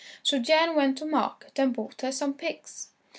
So Jan went to market and bought her some pigs.